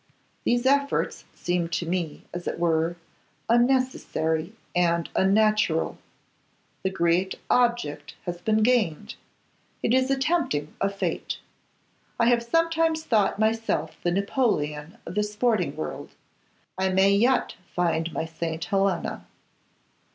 These efforts seem to me, as it were, unnecessary and unnatural. The great object has been gained. It is a tempting of fate. I have sometimes thought myself the Napoleon of the sporting world; I may yet find my St. Helena.